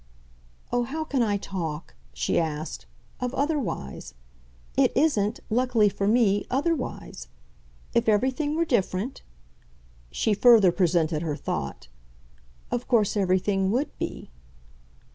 "Oh, how can I talk," she asked, "of otherwise? It ISN'T, luckily for me, otherwise. If everything were different" she further presented her thought "of course everything WOULD be."